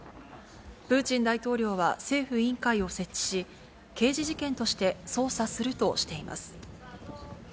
プーチン大統領は政府委員会を設置し、刑事事件として捜査するとしています。